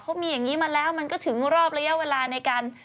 เขามีอย่างนี้มาแล้วมันก็ถึงรอบระยะเวลาในการ